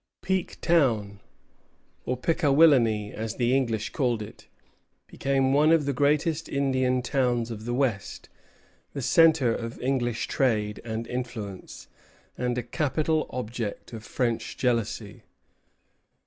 Pique Town, or Pickawillany, as the English called it, became one of the greatest Indian towns of the West, the centre of English trade and influence, and a capital object of French jealousy.